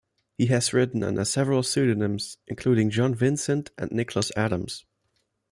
He has written under several pseudonyms, including "John Vincent" and "Nicholas Adams".